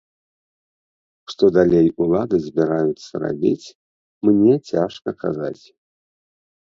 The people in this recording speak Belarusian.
Што далей улады збіраюцца рабіць, мне цяжка казаць.